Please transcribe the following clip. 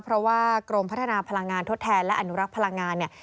เพราะว่ากรมพัฒนาพลังงานทดแทนและอนุรักษ์พลังงานเนี่ย